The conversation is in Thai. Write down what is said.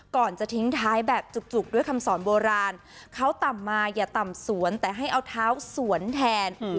ก่อนจะทิ้งท้ายแบบจุกด้วยคำสอนโบราณเขาต่ำมาอย่าต่ำสวนแต่ให้เอาเท้าสวนแทน